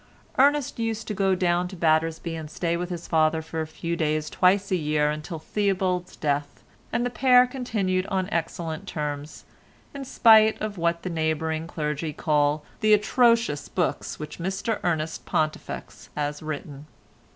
Ernest used to go down to Battersby and stay with his father for a few days twice a year until Theobald's death, and the pair continued on excellent terms, in spite of what the neighbouring clergy call "the atrocious books which Mr Ernest Pontifex" has written.